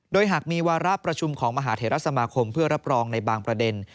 โดยหากมีวาระประชุมของมหาเทรสมาคมเพื่อรับรองในบางประเด็น